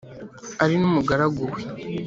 ari n'umugaragu we;